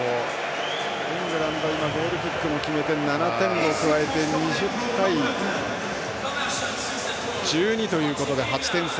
イングランドゴールキックを決めて７点加えて２０対１２ということで８点差。